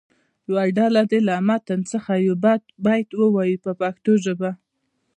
یوه ډله دې له متن څخه یو بیت ووایي په پښتو ژبه.